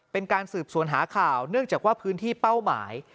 เป็นการสืบสวนหาข่าวเนื่องจากว่าพื้นที่เป้าหมาย